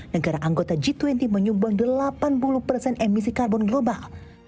negara anggota g dua puluh menyumbang delapan puluh persen emisi karbon global